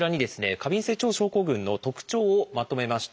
過敏性腸症候群の特徴をまとめました。